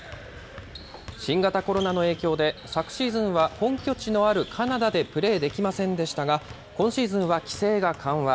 新型コロナの影響で昨シーズンは本拠地のあるカナダでプレーできませんでしたが、今シーズンは規制が緩和。